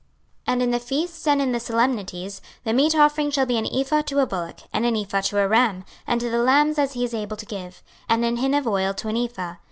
26:046:011 And in the feasts and in the solemnities the meat offering shall be an ephah to a bullock, and an ephah to a ram, and to the lambs as he is able to give, and an hin of oil to an ephah.